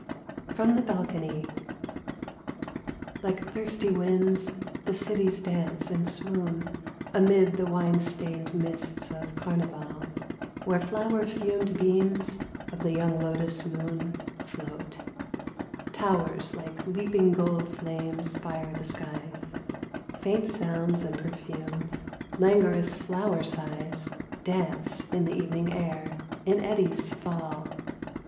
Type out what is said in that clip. From the Balcony. Like thirsty winds the cities dance and swoon Amid the wine stained mists of Carnival, Where flower fumed beams of the young lotus moon Float. Towers like leaping gold flames fire the skies ; Faint sounds and perfumes, languorous flower sighs Dance in the evening air, in eddies fall. 76 From the Balcony.